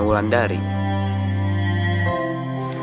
sam lo kenapa sih